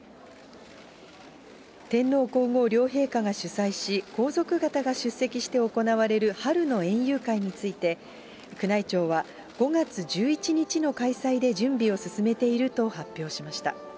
天皇皇后両陛下が主催し、皇族方が出席して行われる春の園遊会について、宮内庁は、５月１１日の開催で準備を進めていると発表しました。